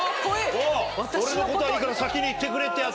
俺のことはいいから先に行ってくれってやつ。